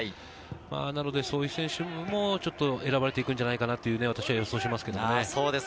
なのでそういう選手も選ばれていくんじゃないかと私は予想します。